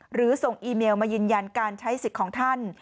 หรือส่งอีเมลมายืนยันการใช้สิทธิ์ของท่าน